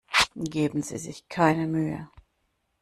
Geben Sie sich keine Mühe.